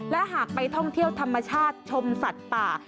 และหากไปท่องเที่ยวธรรมชาติชมสัตว์ป่า